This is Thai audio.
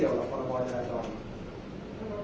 ที่เกิดอะไรมันเป็นส่วนที่หมดนะครับ